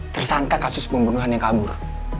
tersangka kasus pembunuhan yang kabur